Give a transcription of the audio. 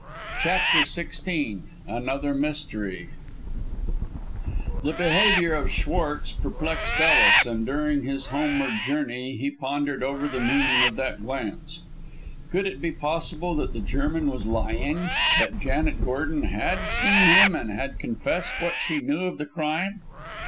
CHAPTER XVI ANOTHER MYSTERY The behaviour of Schwartz perplexed Ellis, and during his homeward journey he pondered over the meaning of that glance. Could it be possible that the German was lying; that Janet Gordon had seen him, and had confessed what she knew of the crime?